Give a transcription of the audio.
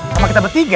sama kita bertiga